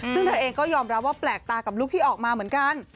ซึ่งเธอเองก็ยอมรับว่าแปลกตากับลูกที่ออกมาเหมือนกัน